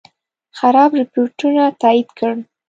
خراب رپوټونه تایید کړل.